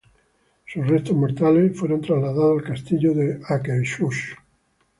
Sus restos mortales fueron trasladados al Castillo de Akershus.